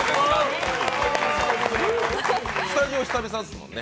スタジオは久々ですもんね。